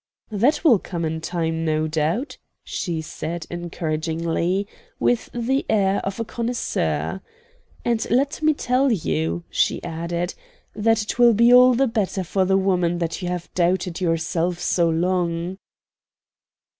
"That will come in time, no doubt," she said, encouragingly, with the air of a connoisseur; "and let me tell you," she added, "that it will be all the better for the woman that you have doubted yourself so long."